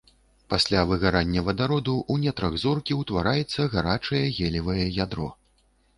Пасля выгарання вадароду ў нетрах зоркі ўтвараецца гарачае геліевае ядро.